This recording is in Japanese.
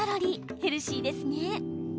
ヘルシーですね。